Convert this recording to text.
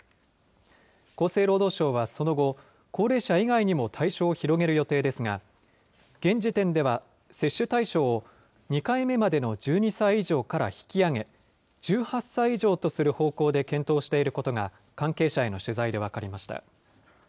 厚生労働省はその後、高齢者以外にも対象を広げる予定ですが、現時点では接種対象を２回目までの１２歳以上から引き上げ、１８歳以上とする方向で検討していることが、関係者への取材で分かりました。